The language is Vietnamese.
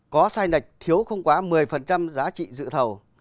có sai lệch thiếu không quá một mươi giá trị dự thầu